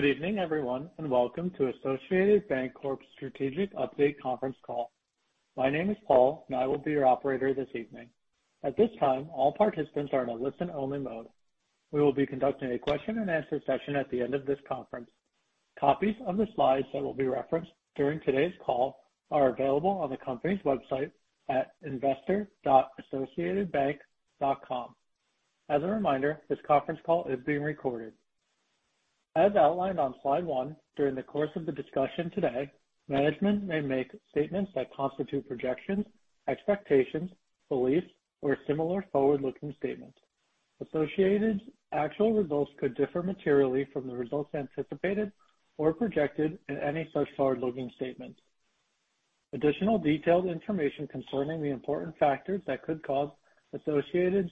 Good evening, everyone, and welcome to Associated Banc-Corp strategic update conference call. My name is Paul, and I will be your operator this evening. At this time, all participants are in a listen-only mode. We will be conducting a question-and-answer session at the end of this conference. Copies of the slides that will be referenced during today's call are available on the company's website at investor.associatedbank.com. As a reminder, this conference call is being recorded. As outlined on slide one, during the course of the discussion today, management may make statements that constitute projections, expectations, beliefs, or similar forward-looking statements. Associated's actual results could differ materially from the results anticipated or projected in any such forward-looking statements. Additional detailed information concerning the important factors that could cause Associated's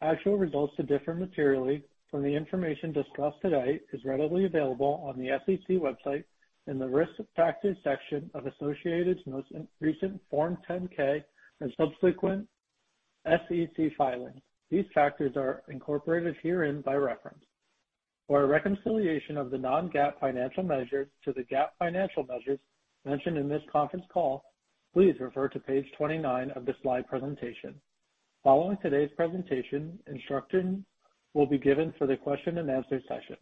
actual results to differ materially from the information discussed today is readily available on the SEC website in the Risk Factors section of Associated's most recent Form 10-K and subsequent SEC filings. These factors are incorporated herein by reference. For a reconciliation of the non-GAAP financial measures to the GAAP financial measures mentioned in this conference call, please refer to page 29 of the slide presentation. Following today's presentation, instruction will be given for the question-and-answer session.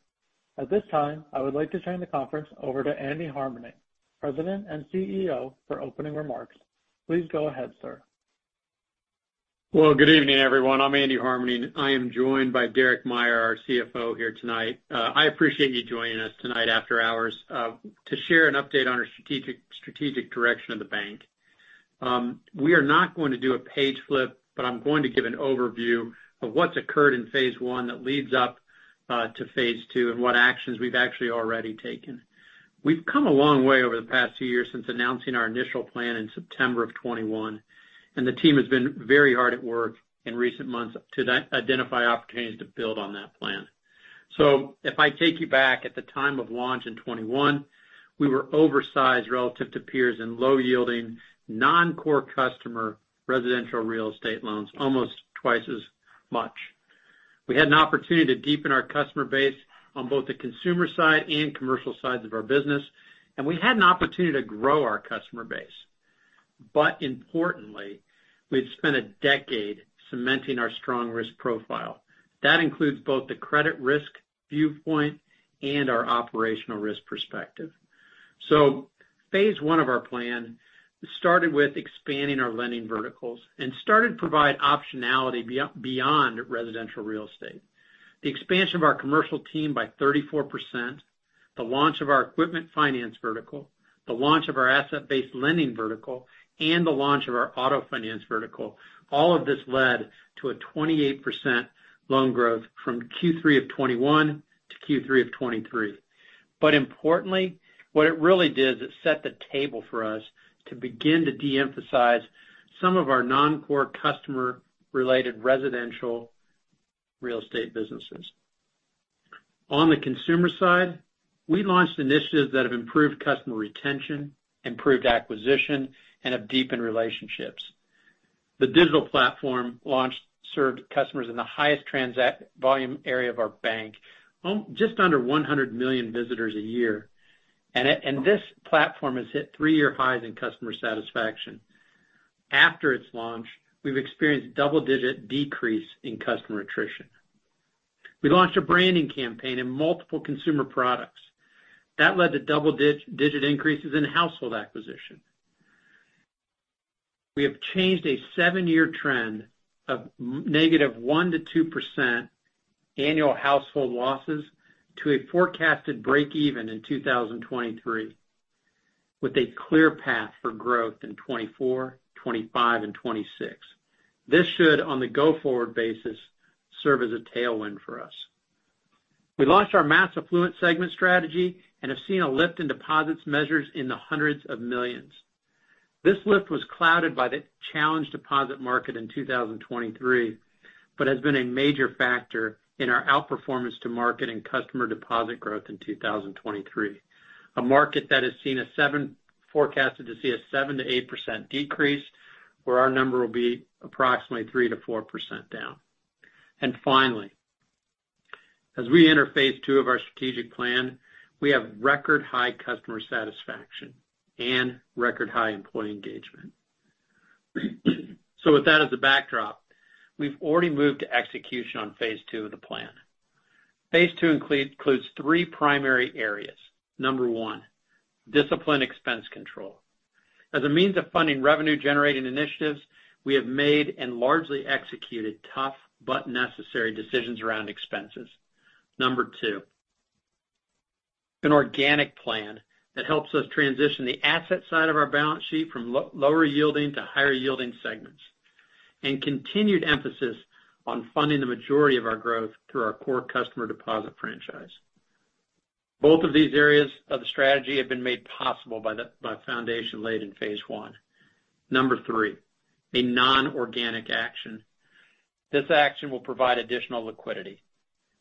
At this time, I would like to turn the conference over to Andy Harmening, President and CEO, for opening remarks. Please go ahead, sir. Well, good evening, everyone. I'm Andy Harmening, and I am joined by Derek Meyer, our CFO, here tonight. I appreciate you joining us tonight after hours to share an update on our strategic, strategic direction of the bank. We are not going to do a page flip, but I'm going to give an overview of what's occurred in phase I that leads up to phase II and what actions we've actually already taken. We've come a long way over the past two years since announcing our initial plan in September of 2021, and the team has been very hard at work in recent months to identify opportunities to build on that plan. So if I take you back, at the time of launch in 2021, we were oversized relative to peers in low-yielding, non-core customer residential real estate loans, almost twice as much. We had an opportunity to deepen our customer base on both the consumer side and commercial sides of our business, and we had an opportunity to grow our customer base. But importantly, we'd spent a decade cementing our strong risk profile. That includes both the credit risk viewpoint and our operational risk perspective. So phase I of our plan started with expanding our lending verticals and started to provide optionality beyond residential real estate. The expansion of our commercial team by 34%, the launch of our equipment finance vertical, the launch of our asset-based lending vertical, and the launch of our auto finance vertical, all of this led to a 28% loan growth from Q3 of 2021 to Q3 of 2023. But importantly, what it really did is it set the table for us to begin to de-emphasize some of our non-core customer-related residential real estate businesses. On the consumer side, we launched initiatives that have improved customer retention, improved acquisition, and have deepened relationships. The digital platform launch served customers in the highest transact volume area of our bank, just under 100 million visitors a year, and this platform has hit three-year highs in customer satisfaction. After its launch, we've experienced double-digit decrease in customer attrition. We launched a branding campaign in multiple consumer products that led to double-digit increases in household acquisition. We have changed a seven-year trend of -1%-2% annual household losses to a forecasted breakeven in 2023, with a clear path for growth in 2024, 2025, and 2026. This should, on the go-forward basis, serve as a tailwind for us. We launched our mass affluent segment strategy and have seen a lift in deposits measures in the hundreds of millions. This lift was clouded by the challenged deposit market in 2023, but has been a major factor in our outperformance to market and customer deposit growth in 2023, a market that has seen a forecasted 7%-8% decrease, where our number will be approximately 3%-4% down. Finally, as we enter phase II of our strategic plan, we have record-high customer satisfaction and record-high employee engagement. So with that as a backdrop, we've already moved to execution on phase II of the plan. Phase II includes three primary areas. Number one, disciplined expense control. As a means of funding revenue-generating initiatives, we have made and largely executed tough but necessary decisions around expenses. Number two, an organic plan that helps us transition the asset side of our balance sheet from lower yielding to higher yielding segments, and continued emphasis on funding the majority of our growth through our core customer deposit franchise. Both of these areas of the strategy have been made possible by the foundation laid in phase I. Number three, a non-organic action. This action will provide additional liquidity.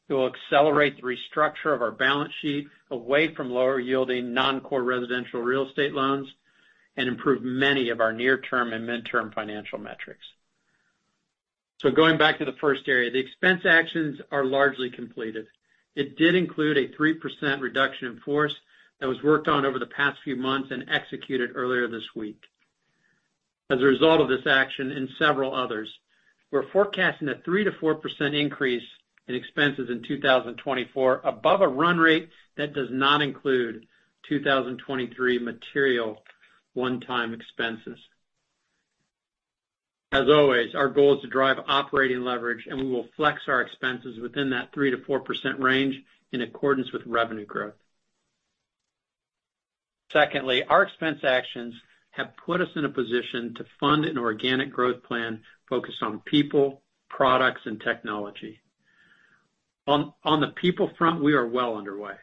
It will accelerate the restructure of our balance sheet away from lower-yielding, non-core residential real estate loans and improve many of our near-term and mid-term financial metrics. So going back to the first area, the expense actions are largely completed. It did include a 3% reduction in force that was worked on over the past few months and executed earlier this week. As a result of this action and several others, we're forecasting a 3%-4% increase in expenses in 2024, above a run rate that does not include 2023 material one-time expenses. As always, our goal is to drive operating leverage, and we will flex our expenses within that 3%-4% range in accordance with revenue growth. Secondly, our expense actions have put us in a position to fund an organic growth plan focused on people, products, and technology. On the people front, we are well underway.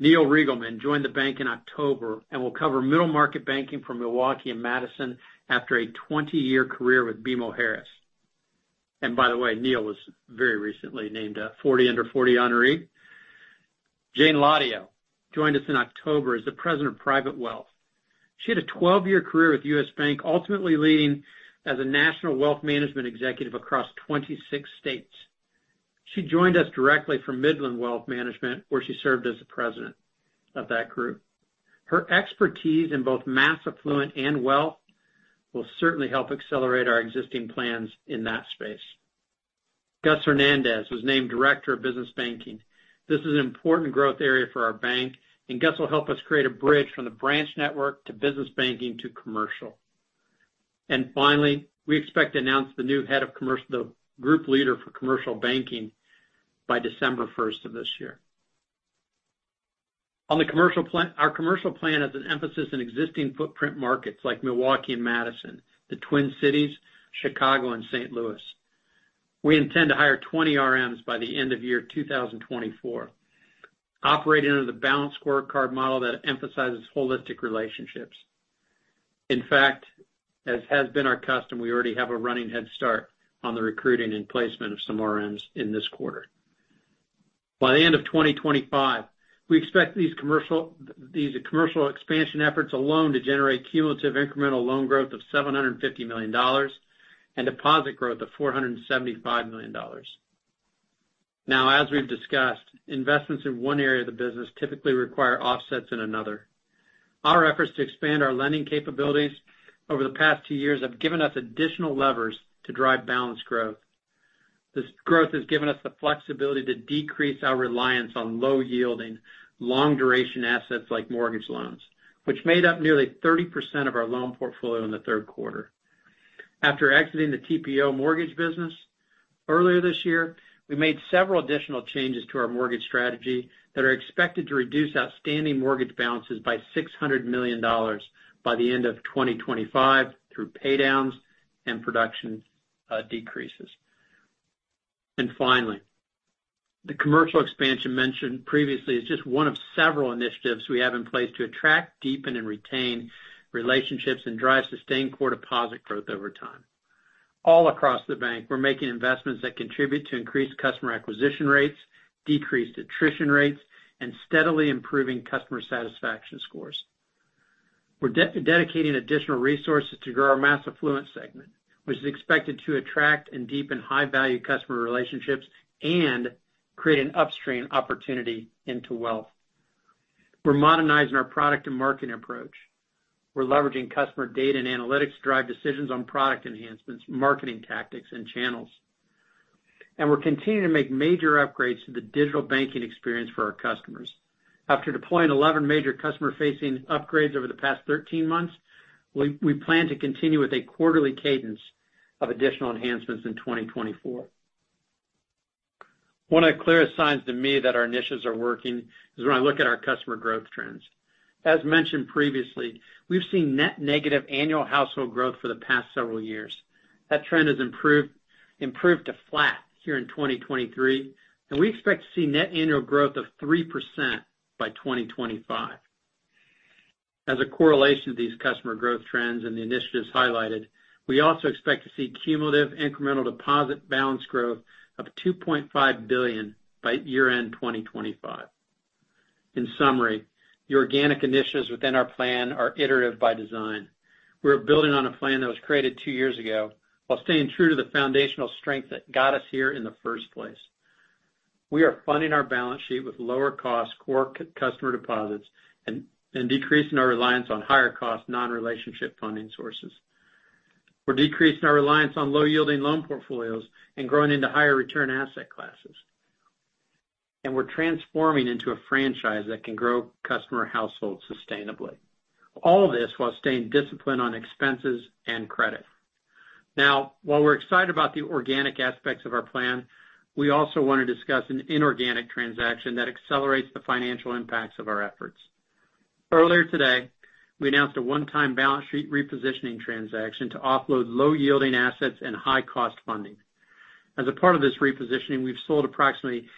Neil Riegelman joined the bank in October and will cover middle-market banking for Milwaukee and Madison after a 20-year career with BMO Harris. By the way, Neil was very recently named a 40 Under 40 honoree. Jayne Hladio joined us in October as the President of Private Wealth. She had a 12-year career with U.S. Bank, ultimately leading as a national wealth management executive across 26 states. She joined us directly from Midland Wealth Management, where she served as the president of that group. Her expertise in both mass affluent and wealth will certainly help accelerate our existing plans in that space. Gus Hernandez was named Director of Business Banking. This is an important growth area for our bank, and Gus will help us create a bridge from the branch network to business banking to commercial. And finally, we expect to announce the new head of commercial, the group leader for commercial banking, by December 1st of this year. On the commercial plan. Our commercial plan has an emphasis in existing footprint markets like Milwaukee and Madison, the Twin Cities, Chicago, and St. Louis. We intend to hire 20 RMs by the end of 2024, operating under the balanced scorecard model that emphasizes holistic relationships. In fact, as has been our custom, we already have a running head start on the recruiting and placement of some RMs in this quarter. By the end of 2025, we expect these commercial, these commercial expansion efforts alone to generate cumulative incremental loan growth of $750 million and deposit growth of $475 million. Now, as we've discussed, investments in one area of the business typically require offsets in another. Our efforts to expand our lending capabilities over the past two years have given us additional levers to drive balanced growth. This growth has given us the flexibility to decrease our reliance on low-yielding, long-duration assets like mortgage loans, which made up nearly 30% of our loan portfolio in the third quarter. After exiting the TPO mortgage business earlier this year, we made several additional changes to our mortgage strategy that are expected to reduce outstanding mortgage balances by $600 million by the end of 2025 through paydowns and production decreases. And finally, the commercial expansion mentioned previously is just one of several initiatives we have in place to attract, deepen, and retain relationships and drive sustained core deposit growth over time. All across the bank, we're making investments that contribute to increased customer acquisition rates, decreased attrition rates, and steadily improving customer satisfaction scores. We're dedicating additional resources to grow our mass affluent segment, which is expected to attract and deepen high-value customer relationships and create an upstream opportunity into wealth. We're modernizing our product and marketing approach. We're leveraging customer data and analytics to drive decisions on product enhancements, marketing tactics, and channels. We're continuing to make major upgrades to the digital banking experience for our customers. After deploying 11 major customer-facing upgrades over the past 13 months, we plan to continue with a quarterly cadence of additional enhancements in 2024. One of the clearest signs to me that our initiatives are working is when I look at our customer growth trends. As mentioned previously, we've seen net negative annual household growth for the past several years. That trend has improved to flat here in 2023, and we expect to see net annual growth of 3% by 2025. As a correlation to these customer growth trends and the initiatives highlighted, we also expect to see cumulative incremental deposit balance growth of $2.5 billion by year-end 2025. In summary, the organic initiatives within our plan are iterative by design. We're building on a plan that was created two years ago, while staying true to the foundational strength that got us here in the first place. We are funding our balance sheet with lower-cost core customer deposits and decreasing our reliance on higher-cost, non-relationship funding sources. We're decreasing our reliance on low-yielding loan portfolios and growing into higher return asset classes. And we're transforming into a franchise that can grow customer households sustainably. All of this while staying disciplined on expenses and credit. Now, while we're excited about the organic aspects of our plan, we also want to discuss an inorganic transaction that accelerates the financial impacts of our efforts. Earlier today, we announced a one-time balance sheet repositioning transaction to offload low-yielding assets and high-cost funding. As a part of this repositioning, we've sold approximately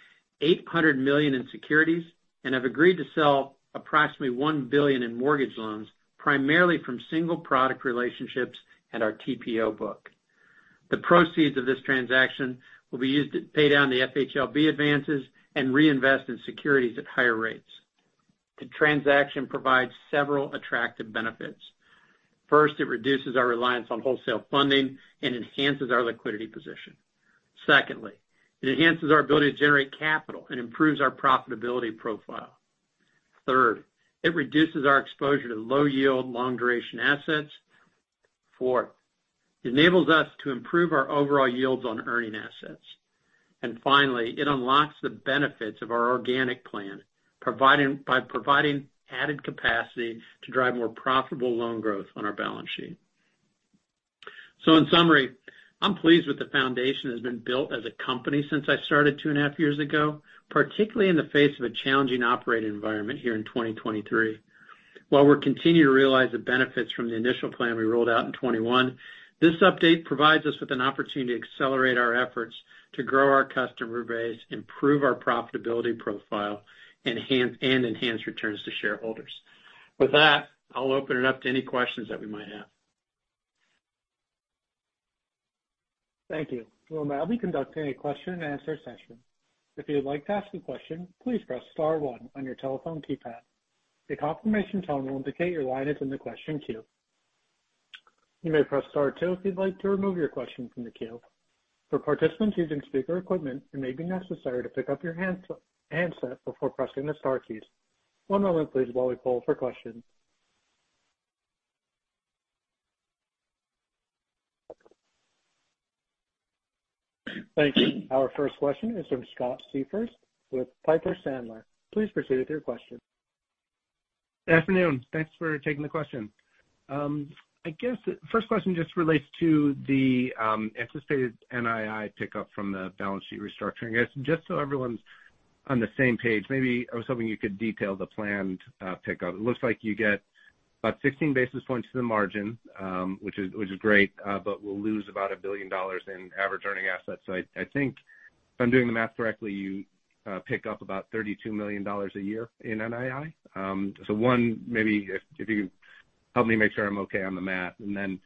$800 million in securities and have agreed to sell approximately $1 billion in mortgage loans, primarily from single-product relationships at our TPO book. The proceeds of this transaction will be used to pay down the FHLB advances and reinvest in securities at higher rates. The transaction provides several attractive benefits. First, it reduces our reliance on wholesale funding and enhances our liquidity position. Secondly, it enhances our ability to generate capital and improves our profitability profile. Third, it reduces our exposure to low yield, long-duration assets. Fourth, it enables us to improve our overall yields on earning assets. And finally, it unlocks the benefits of our organic plan by providing added capacity to drive more profitable loan growth on our balance sheet. So in summary, I'm pleased with the foundation that's been built as a company since I started 2.5 years ago, particularly in the face of a challenging operating environment here in 2023. While we're continuing to realize the benefits from the initial plan we rolled out in 2021, this update provides us with an opportunity to accelerate our efforts to grow our customer base, improve our profitability profile, and enhance returns to shareholders. With that, I'll open it up to any questions that we might have. Thank you. We'll now be conducting a question and answer session. If you'd like to ask a question, please press star one on your telephone keypad. A confirmation tone will indicate your line is in the question queue. You may press star two if you'd like to remove your question from the queue. For participants using speaker equipment, it may be necessary to pick up your handset before pressing the star keys. One moment, please, while we poll for questions. Thank you. Our first question is from Scott Siefers with Piper Sandler. Please proceed with your question. Good afternoon. Thanks for taking the question. I guess the first question just relates to the anticipated NII pickup from the balance sheet restructuring. I guess, just so everyone's on the same page, maybe I was hoping you could detail the planned pickup. It looks like you get about 16 basis points to the margin, which is, which is great, but will lose about $1 billion in average earning assets. So I, I think if I'm doing the math correctly, you pick up about $32 million a year in NII. So one, maybe if you could help me make sure I'm okay on the math. And then,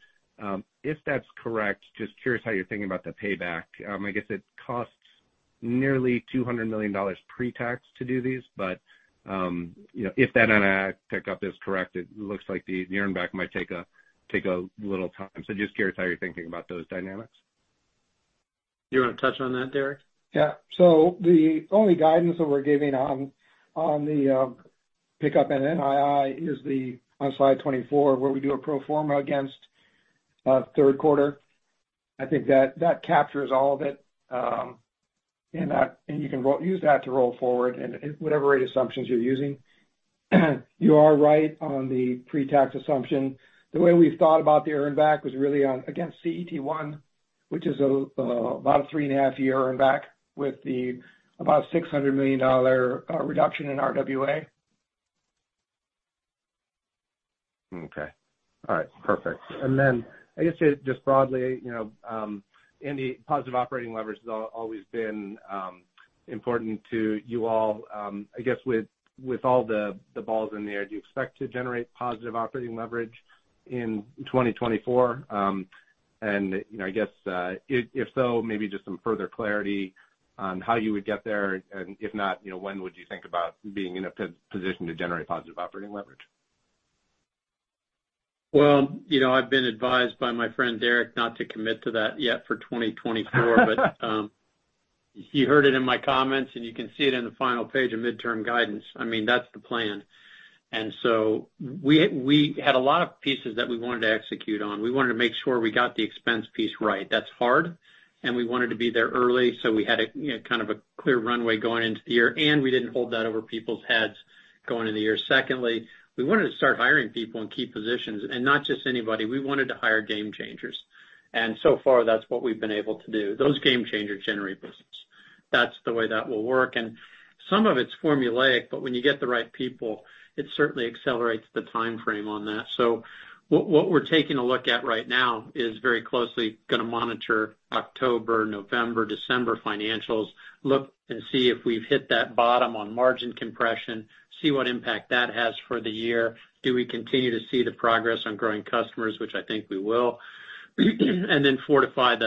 if that's correct, just curious how you're thinking about the payback. I guess it costs nearly $200 million pre-tax to do these, but, you know, if that NII pickup is correct, it looks like the year-end back might take a little time. So just curious how you're thinking about those dynamics. Do you want to touch on that, Derek? Yeah. So the only guidance that we're giving on the pickup in NII is on slide 24, where we do a pro forma against third quarter. I think that captures all of it, and you can use that to roll forward and whatever rate assumptions you're using. You are right on the pre-tax assumption. The way we've thought about the earn back was really on against CET1, which is about a three and half year earn back with the about $600 million reduction in RWA. Okay. All right. Perfect. And then I guess just broadly, you know, Andy, positive operating leverage has always been important to you all. I guess with all the balls in the air, do you expect to generate positive operating leverage in 2024? And, you know, I guess if so, maybe just some further clarity on how you would get there, and if not, you know, when would you think about being in a position to generate positive operating leverage? Well, you know, I've been advised by my friend Derek, not to commit to that yet for 2024. But you heard it in my comments, and you can see it in the final page of midterm guidance. I mean, that's the plan. And so we had a lot of pieces that we wanted to execute on. We wanted to make sure we got the expense piece right. That's hard, and we wanted to be there early, so we had a, you know, kind of a clear runway going into the year, and we didn't hold that over people's heads going into the year. Secondly, we wanted to start hiring people in key positions, and not just anybody. We wanted to hire game changers, and so far, that's what we've been able to do. Those game changers generate business. That's the way that will work, and some of it's formulaic, but when you get the right people, it certainly accelerates the timeframe on that. So what we're taking a look at right now is very closely gonna monitor October, November, December financials, look and see if we've hit that bottom on margin compression, see what impact that has for the year. Do we continue to see the progress on growing customers? Which I think we will. And then fortify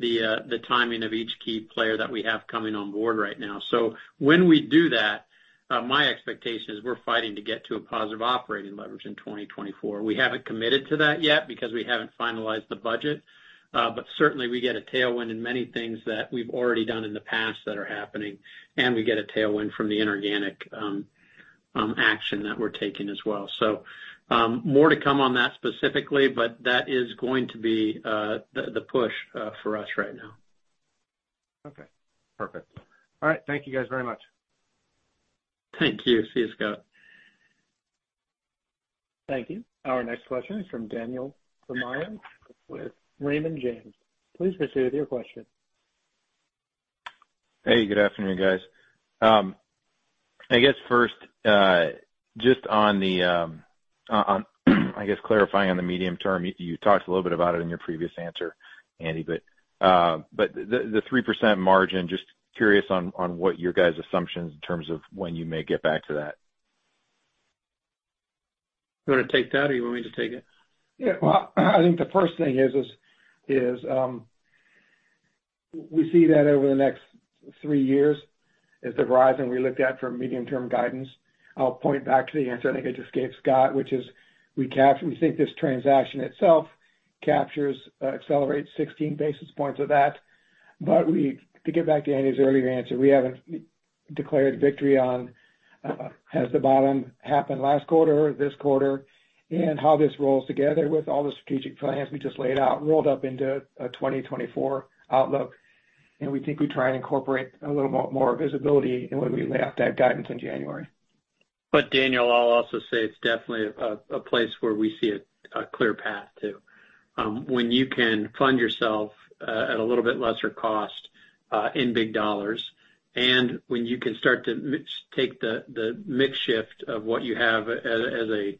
the timing of each key player that we have coming on board right now. So when we do that, my expectation is we're fighting to get to a positive operating leverage in 2024. We haven't committed to that yet because we haven't finalized the budget, but certainly we get a tailwind in many things that we've already done in the past that are happening, and we get a tailwind from the inorganic action that we're taking as well. So, more to come on that specifically, but that is going to be the push for us right now. Okay. Perfect. All right. Thank you guys very much. Thank you. See you, Scott. Thank you. Our next question is from Daniel Tamayo with Raymond James. Please proceed with your question. Hey, good afternoon, guys. I guess first, just on the, I guess, clarifying on the medium-term, you talked a little bit about it in your previous answer, Andy, but the 3% margin, just curious on what your guys' assumptions in terms of when you may get back to that? You want to take that or you want me to take it? Yeah, well, I think the first thing is we see that over the next three years as the rise and we looked at for medium-term guidance. I'll point back to the answer I think I just gave Scott, which is we think this transaction itself captures, accelerates 16 basis points of that. But to get back to Andy's earlier answer, we haven't declared victory on has the bottom happened last quarter or this quarter? And how this rolls together with all the strategic plans we just laid out, rolled up into a 2024 outlook. And we think we try and incorporate a little more visibility in when we lay out that guidance in January. But Daniel, I'll also say it's definitely a place where we see a clear path too. When you can fund yourself at a little bit lesser cost in big dollars, and when you can start to take the mix shift of what you have as a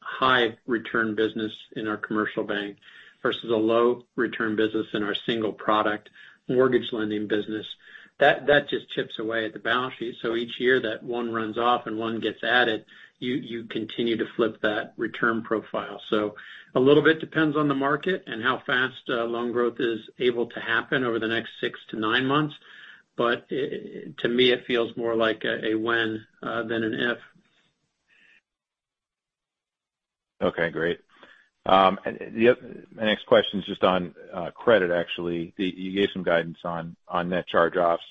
high return business in our commercial bank, versus a low return business in our single-product mortgage lending business, that just chips away at the balance sheet. So each year that one runs off and one gets added, you continue to flip that return profile. So a little bit depends on the market and how fast loan growth is able to happen over the next six to nine months. But to me, it feels more like a when than an if. Okay, great. And my next question is just on credit, actually. You gave some guidance on net charge-offs.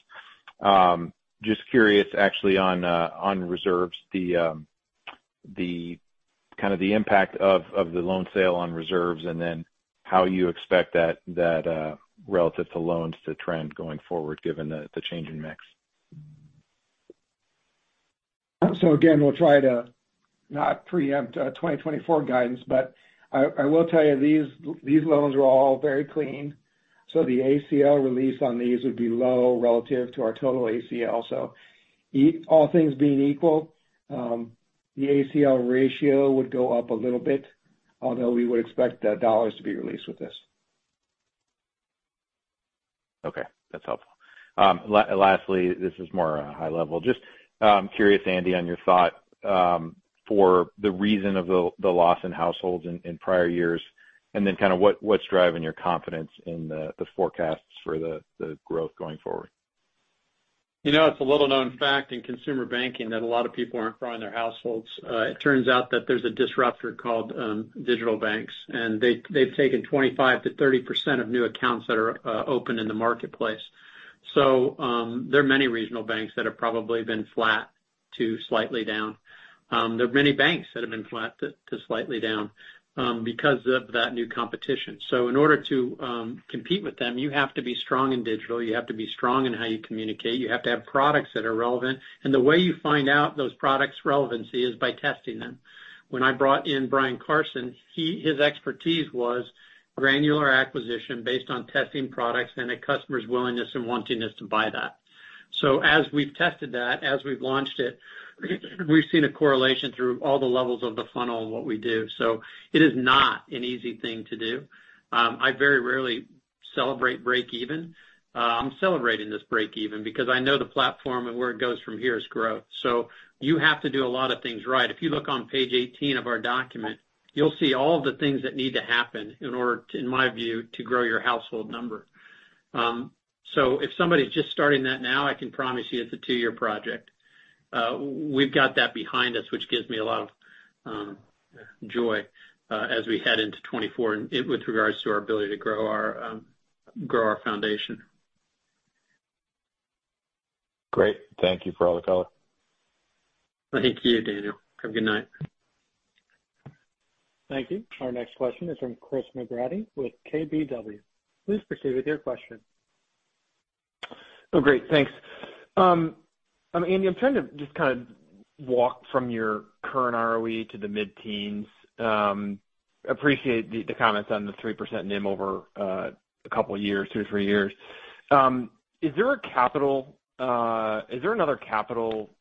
Just curious, actually, on reserves, the kind of impact of the loan sale on reserves, and then how you expect that relative to loans to trend going forward, given the change in mix? So again, we'll try to not preempt 2024 guidance, but I, I will tell you, these, these loans are all very clean, so the ACL release on these would be low relative to our total ACL. So all things being equal, the ACL ratio would go up a little bit, although we would expect the dollars to be released with this. Okay, that's helpful. Lastly, this is more high level. Just curious, Andy, on your thought for the reason of the loss in households in prior years, and then kind of what's driving your confidence in the forecasts for the growth going forward? You know, it's a little-known fact in consumer banking that a lot of people aren't growing their households. It turns out that there's a disruptor called digital banks, and they've taken 25%-30% of new accounts that are open in the marketplace. So, there are many regional banks that have probably been flat to slightly down. There are many banks that have been flat to slightly down because of that new competition. So in order to compete with them, you have to be strong in digital. You have to be strong in how you communicate. You have to have products that are relevant, and the way you find out those products' relevancy is by testing them. When I brought in Bryan Carson, his expertise was granular acquisition based on testing products and a customer's willingness and wanting-ness to buy that. So as we've tested that, as we've launched it, we've seen a correlation through all the levels of the funnel of what we do. So it is not an easy thing to do. I very rarely celebrate breakeven. I'm celebrating this breakeven because I know the platform and where it goes from here is growth. So you have to do a lot of things right. If you look on page 18 of our document, you'll see all the things that need to happen in order to, in my view, to grow your household number. So if somebody's just starting that now, I can promise you it's a two-year project. We've got that behind us, which gives me a lot of joy as we head into 2024, and with regards to our ability to grow our foundation. Great. Thank you for all the color. Thank you, Daniel. Have a good night. Thank you. Our next question is from Chris McGratty with KBW. Please proceed with your question. Oh, great. Thanks. Andy, I'm trying to just kind of walk from your current ROE to the mid-teens. Appreciate the, the comments on the 3% NIM over a couple years, two to three years. Is there a capital, is there another capital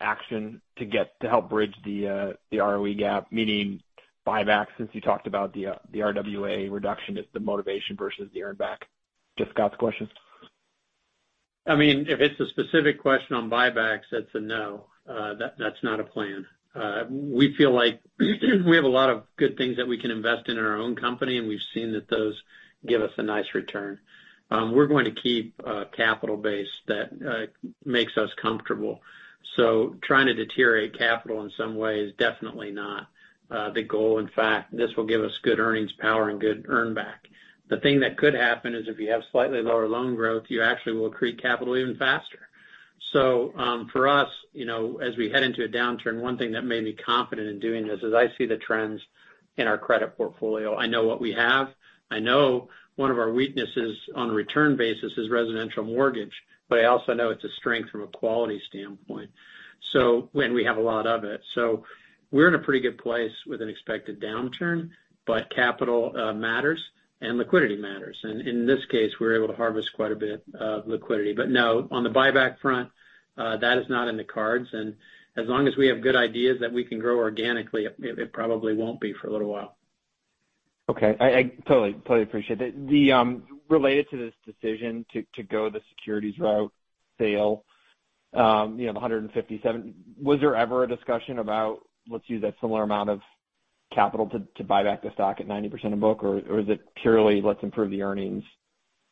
action to get, to help bridge the ROE gap, meaning buybacks, since you talked about the RWA reduction as the motivation versus the earn back? Just Scott's question. I mean, if it's a specific question on buybacks, that's a no. That, that's not a plan. We feel like we have a lot of good things that we can invest in our own company, and we've seen that those give us a nice return. We're going to keep a capital base that makes us comfortable. So trying to deteriorate capital in some way is definitely not the goal. In fact, this will give us good earnings power and good earn back. The thing that could happen is, if you have slightly lower loan growth, you actually will accrete capital even faster. So, for us, you know, as we head into a downturn, one thing that made me confident in doing this is I see the trends in our credit portfolio. I know what we have. I know one of our weaknesses on a return basis is residential mortgage, but I also know it's a strength from a quality standpoint. So—and we have a lot of it. So we're in a pretty good place with an expected downturn, but capital matters and liquidity matters, and in this case, we're able to harvest quite a bit of liquidity. But no, on the buyback front, that is not in the cards, and as long as we have good ideas that we can grow organically, it, it probably won't be for a little while. Okay. I totally appreciate that. The related to this decision to go the securities route sale, you know, the $157, was there ever a discussion about let's use that similar amount of capital to buy back the stock at 90% of book, or is it purely let's improve the earnings,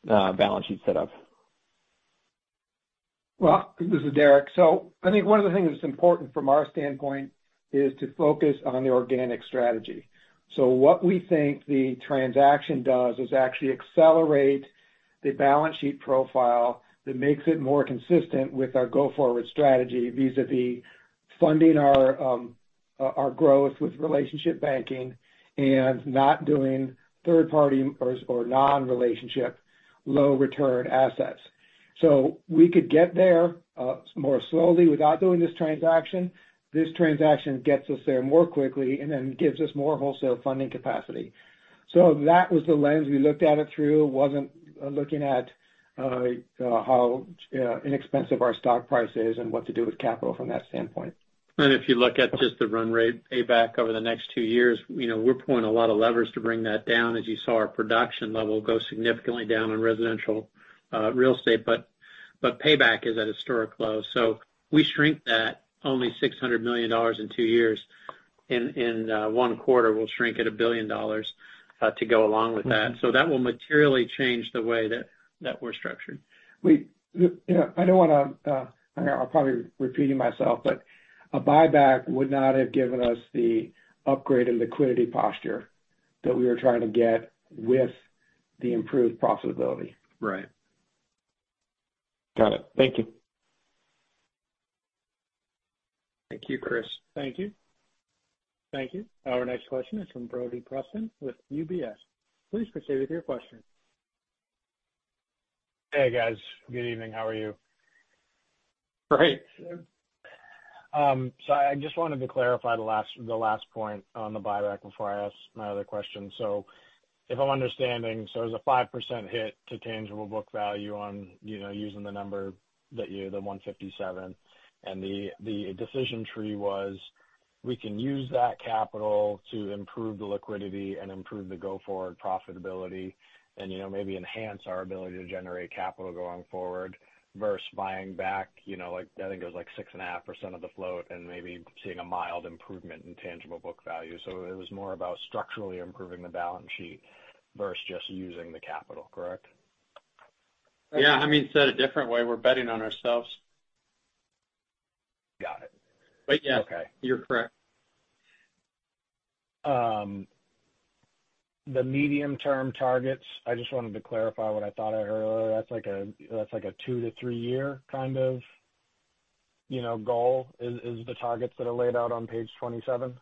balance sheet set up? Well, this is Derek. So I think one of the things that's important from our standpoint is to focus on the organic strategy. So what we think the transaction does is actually accelerate the balance sheet profile that makes it more consistent with our go-forward strategy, vis-a-vis funding our our growth with relationship banking and not doing third party or non-relationship, low return assets. So we could get there more slowly without doing this transaction. This transaction gets us there more quickly and then gives us more wholesale funding capacity. So that was the lens we looked at it through. Wasn't looking at how inexpensive our stock price is and what to do with capital from that standpoint. And if you look at just the run rate payback over the next two years, you know, we're pulling a lot of levers to bring that down. As you saw, our production level go significantly down on residential real estate, but payback is at historic lows. So we shrink that only $600 million in two years. In one quarter, we'll shrink it $1 billion to go along with that. So that will materially change the way that we're structured. Yeah, I don't want to. I'm probably repeating myself, but a buyback would not have given us the upgraded liquidity posture that we were trying to get with the improved profitability. Right. Got it. Thank you. Thank you, Chris. Thank you. Thank you. Our next question is from Brody Preston with UBS. Please proceed with your question. Hey, guys. Good evening. How are you? Great. So I just wanted to clarify the last, the last point on the buyback before I ask my other question. So if I'm understanding, so there's a 5% hit to tangible book value on, you know, using the number that you, the 157, and the, the decision tree was, we can use that capital to improve the liquidity and improve the go-forward profitability and, you know, maybe enhance our ability to generate capital going forward versus buying back, you know, like, I think it was like 6.5% of the float and maybe seeing a mild improvement in tangible book value. So it was more about structurally improving the balance sheet versus just using the capital, correct? Yeah. I mean, said a different way, we're betting on ourselves. Got it. But yeah. Okay. You're correct. The medium-term targets, I just wanted to clarify what I thought earlier. That's like a, that's like a two to three year kind of, you know, goal, is, is the targets that are laid out on page 27?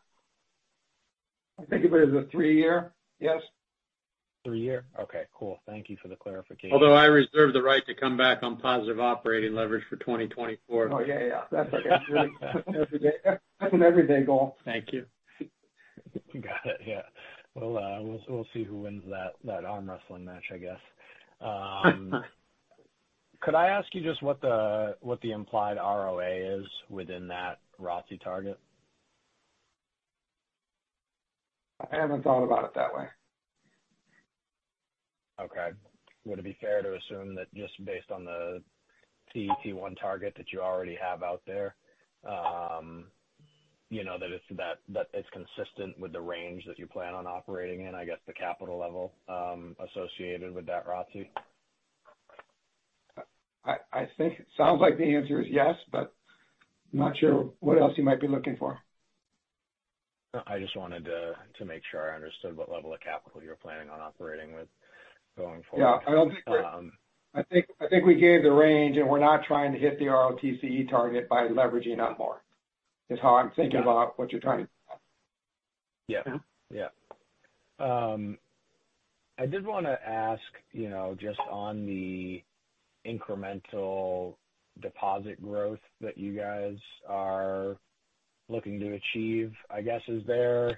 I think it is a three year, yes. Three year. Okay, cool. Thank you for the clarification. Although I reserve the right to come back on positive operating leverage for 2024. Oh, yeah, yeah. That's okay. Every day. That's an everyday goal. Thank you. Got it. Yeah. Well, we'll see who wins that arm wrestling match, I guess. Could I ask you just what the implied ROA is within that ROTCE target? I haven't thought about it that way. Okay. Would it be fair to assume that just based on the CET1 target that you already have out there, you know, that it's consistent with the range that you plan on operating in, I guess, the capital level associated with that ROTCE? I, I think it sounds like the answer is yes, but not sure what else you might be looking for. I just wanted to make sure I understood what level of capital you're planning on operating with going forward. Yeah, I think. Um. I think, I think we gave the range, and we're not trying to hit the ROTCE target by leveraging up more, is how I'm thinking about what you're trying to get at. Yeah. Yeah. I did want to ask, you know, just on the incremental deposit growth that you guys are looking to achieve, I guess, is that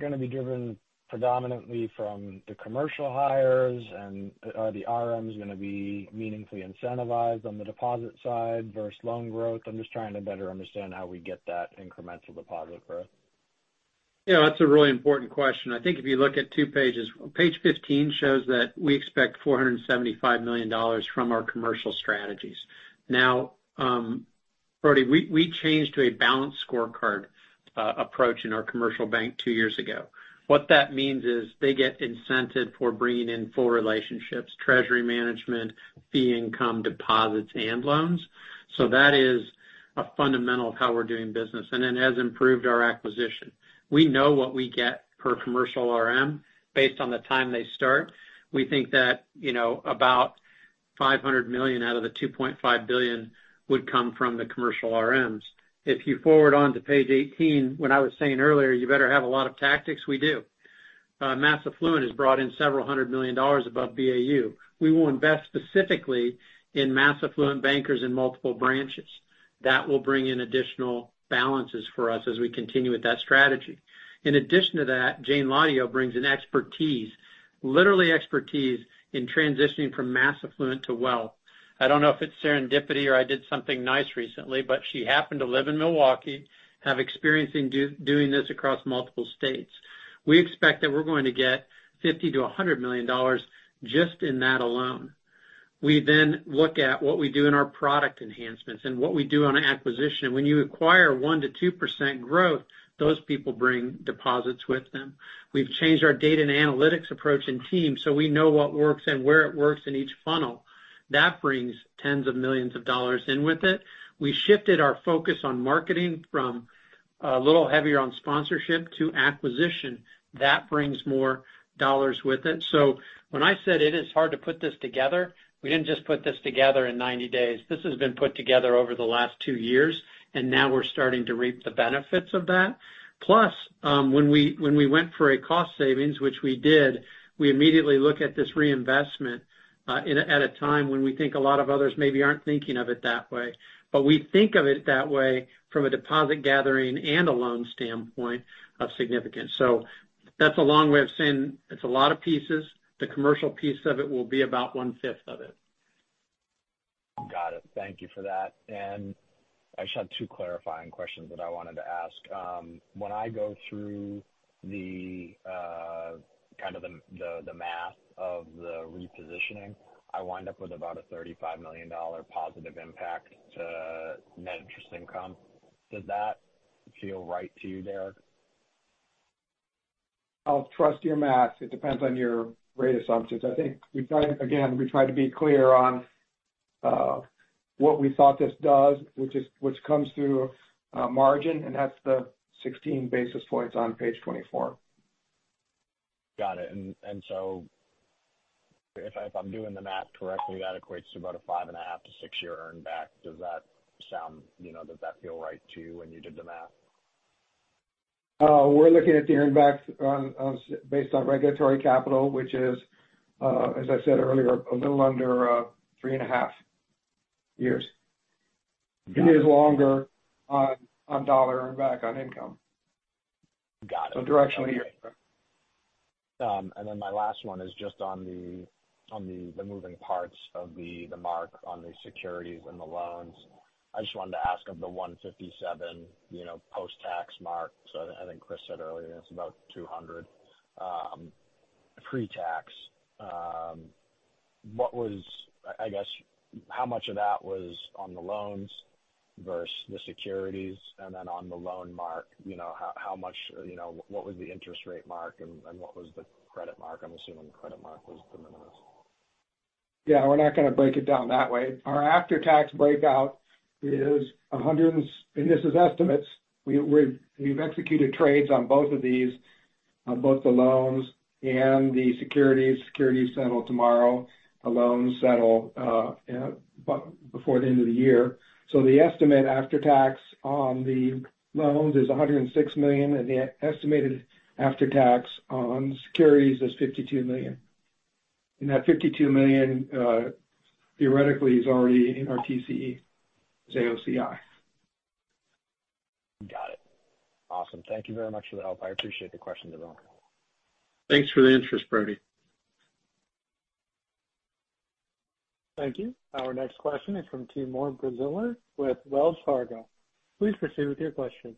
going to be driven predominantly from the commercial hires and are the RMs going to be meaningfully incentivized on the deposit side versus loan growth? I'm just trying to better understand how we get that incremental deposit growth. Yeah, that's a really important question. I think if you look at two pages, page 15 shows that we expect $475 million from our commercial strategies. Now, Brody, we, we changed to a balanced scorecard approach in our commercial bank two years ago. What that means is they get incented for bringing in full relationships, treasury management, fee income, deposits and loans. So that is a fundamental of how we're doing business, and it has improved our acquisition. We know what we get per commercial RM based on the time they start. We think that, you know, about $500 million out of the $2.5 billion would come from the commercial RMs. If you forward on to page 18, what I was saying earlier, you better have a lot of tactics. We do. Mass affluent has brought in $several hundred million above BAU. We will invest specifically in mass affluent bankers in multiple branches. That will bring in additional balances for us as we continue with that strategy. In addition to that, Jayne Hladio brings in expertise, literally expertise, in transitioning from mass affluent to wealth. I don't know if it's serendipity or I did something nice recently, but she happened to live in Milwaukee, have experience in doing this across multiple states. We expect that we're going to get $50 million-$100 million just in that alone. We then look at what we do in our product enhancements and what we do on acquisition. When you acquire 1%-2% growth, those people bring deposits with them. We've changed our data and analytics approach and team, so we know what works and where it works in each funnel. That brings tens of million dollars in with it. We shifted our focus on marketing from a little heavier on sponsorship to acquisition. That brings more dollars with it. So when I said it is hard to put this together, we didn't just put this together in 90 days. This has been put together over the last two years, and now we're starting to reap the benefits of that. Plus, when we, when we went for a cost savings, which we did, we immediately look at this reinvestment in a at a time when we think a lot of others maybe aren't thinking of it that way. But we think of it that way from a deposit gathering and a loan standpoint of significance. That's a long way of saying it's a lot of pieces. The commercial piece of it will be about one-fifth of it. Got it. Thank you for that. I just had two clarifying questions that I wanted to ask. When I go through kind of the math of the repositioning, I wind up with about a $35 million positive impact to net interest income. Does that feel right to you, Derek? I'll trust your math. It depends on your rate assumptions. I think we try—again, we try to be clear on what we thought this does, which is, which comes through margin, and that's the 16 basis points on page 24. Got it. And so if I'm doing the math correctly, that equates to about a 5.5-6-year earn back. Does that sound—you know, does that feel right to you when you did the math? We're looking at the earn back based on regulatory capital, which is, as I said earlier, a little under 3.5 years. It is longer dollar earn back on income. Got it. So directionally, yeah. And then my last one is just on the moving parts of the mark on the securities and the loans. I just wanted to ask of the $157, you know, post-tax mark. So I think Chris said earlier, it's about $200 pre-tax. What was, I guess, how much of that was on the loans versus the securities? And then on the loan mark, you know, how much, you know, what was the interest rate mark and what was the credit mark? I'm assuming the credit mark was the minimal. Yeah, we're not going to break it down that way. Our after-tax breakout is a hundred and. And this is estimates. We have executed trades on both of these, on both the loans and the securities. Securities settle tomorrow. The loans settle before the end of the year. So the estimate after tax on the loans is $106 million, and the estimated after tax on securities is $52 million. And that $52 million, theoretically is already in our TCE, as AOCI. Got it. Awesome. Thank you very much for the help. I appreciate the question development. Thanks for the interest, Brody. Thank you. Our next question is from Timur Braziler with Wells Fargo. Please proceed with your question.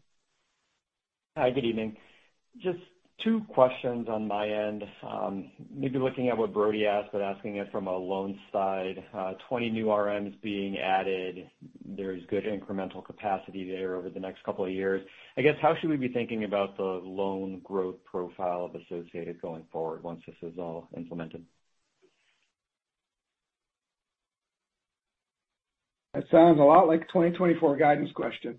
Hi, good evening. Just two questions on my end. Maybe looking at what Brody asked, but asking it from a loan side. 20 new RMs being added, there's good incremental capacity there over the next couple of years. I guess, how should we be thinking about the loan growth profile of Associated going forward once this is all implemented? That sounds a lot like a 2024 guidance question.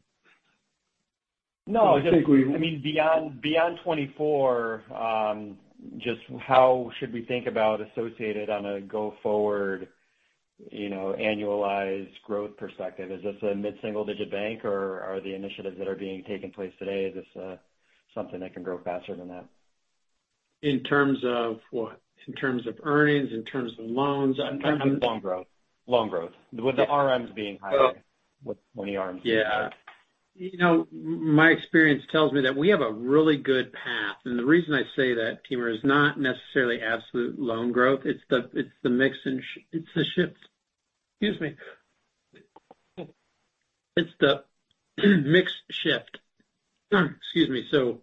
No, just. I think we. I mean, beyond 2024, just how should we think about Associated on a go-forward, you know, annualized growth perspective? Is this a mid-single-digit bank, or are the initiatives that are being taken place today, is this something that can grow faster than that? In terms of what? In terms of earnings, in terms of loans, in terms of. Loan growth. Loan growth, with the RMs being higher, with 20 RMs. Yeah. You know, my experience tells me that we have a really good path. The reason I say that, Timur, is not necessarily absolute loan growth, it's the mix and it's the shift. Excuse me. It's the mix shift. Excuse me. So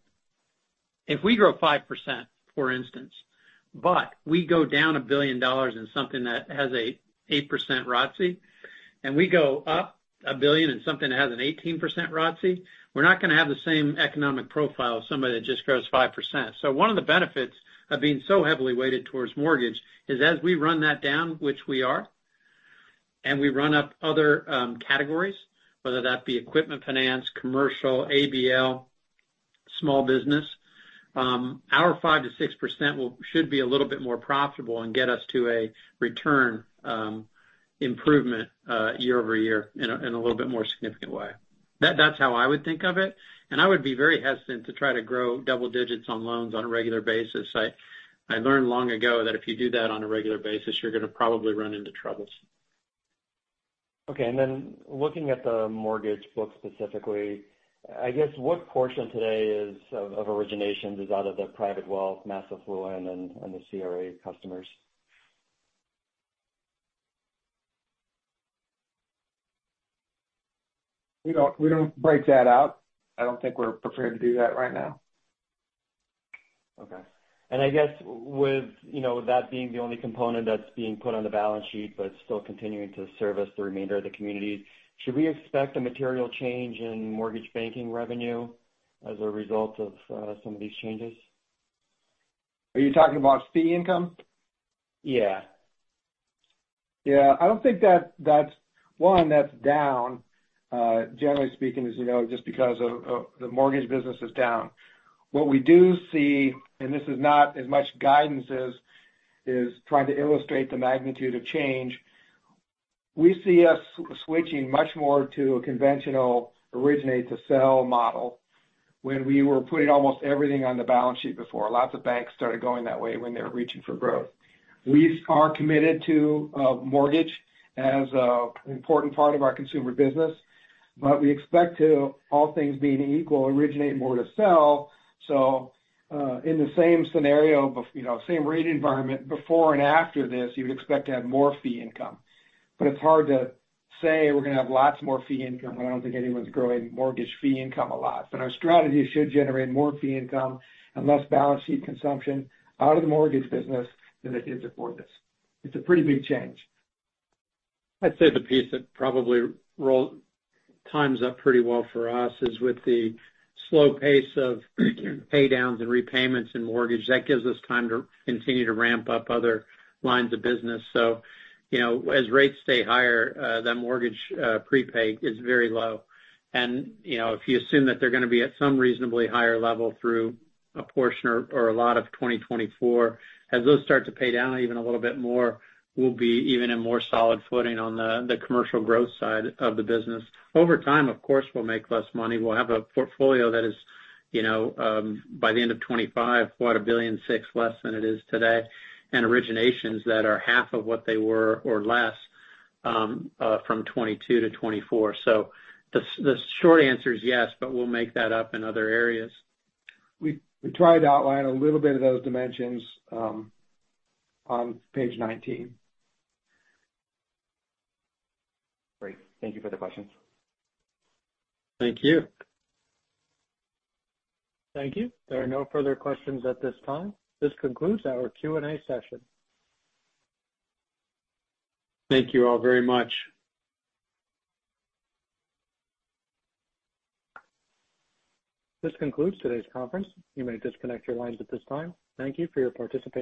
if we grow 5%, for instance, but we go down $1 billion in something that has an 8% ROTCE, and we go up $1 billion in something that has an 18% ROTCE, we're not going to have the same economic profile as somebody that just grows 5%. So one of the benefits of being so heavily weighted towards mortgage is as we run that down, which we are, and we run up other categories, whether that be equipment finance, commercial, ABL, small business, our 5%-6% should be a little bit more profitable and get us to a return improvement year-over-year in a little bit more significant way. That's how I would think of it, and I would be very hesitant to try to grow double digits on loans on a regular basis. I learned long ago that if you do that on a regular basis, you're going to probably run into troubles. Okay. And then looking at the mortgage book specifically, I guess what portion today is of origination out of the private wealth, mass affluent and the CRA customers? We don't, we don't break that out. I don't think we're prepared to do that right now. Okay. I guess with, you know, that being the only component that's being put on the balance sheet but still continuing to service the remainder of the community, should we expect a material change in mortgage banking revenue as a result of some of these changes? Are you talking about fee income? Yeah. Yeah, I don't think that's one, that's down, generally speaking, as you know, just because of the mortgage business is down. What we do see, and this is not as much guidance as is trying to illustrate the magnitude of change. We see us switching much more to a conventional originate-to-sell model when we were putting almost everything on the balance sheet before. Lots of banks started going that way when they were reaching for growth. We are committed to mortgage as an important part of our consumer business, but we expect to, all things being equal, originate more to sell. So, in the same scenario, you know, same rate environment before and after this, you would expect to have more fee income. But it's hard to say we're gonna have lots more fee income, I don't think anyone's growing mortgage fee income a lot. But our strategy should generate more fee income and less balance sheet consumption out of the mortgage business than it did before this. It's a pretty big change. I'd say the piece that probably rolls up pretty well for us is with the slow pace of paydowns and repayments in mortgage. That gives us time to continue to ramp up other lines of business. So, you know, as rates stay higher, that mortgage prepaid is very low. And, you know, if you assume that they're gonna be at some reasonably higher level through a portion or a lot of 2024, as those start to pay down even a little bit more, we'll be even in more solid footing on the commercial growth side of the business. Over time, of course, we'll make less money. We'll have a portfolio that is, you know, by the end of 2025, what? $1.6 billion less than it is today, and originations that are half of what they were or less, from 2022 to 2024. So the short answer is yes, but we'll make that up in other areas. We tried to outline a little bit of those dimensions on page 19. Great. Thank you for the questions. Thank you. Thank you. There are no further questions at this time. This concludes our Q&A session. Thank you all very much. This concludes today's conference. You may disconnect your lines at this time. Thank you for your participation.